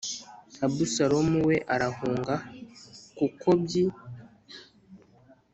Abusalomu we arahunga kukobyi